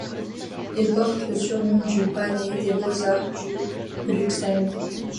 Il porte le surnom du Palais des beaux-arts de Bruxelles.